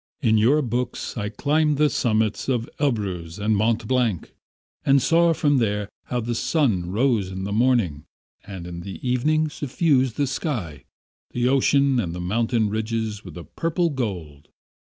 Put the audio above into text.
In your books I climbed the summits of Elbruz and Mont Blanc and saw from there how the sun rose in the morning, and in the evening suffused the sky, the ocean and the mountain ridges with a purple gold.